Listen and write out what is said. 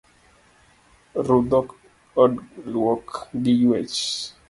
Rudh od luok gi ywech